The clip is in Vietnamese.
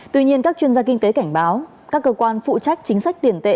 tuy nhiên các chuyên gia kinh tế cảnh báo các cơ quan phụ trách chính sách tiền tệ